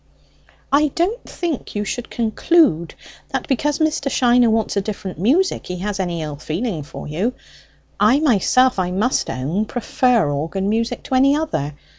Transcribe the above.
"I don't think you should conclude that, because Mr. Shiner wants a different music, he has any ill feeling for you. I myself, I must own, prefer organ music to any other.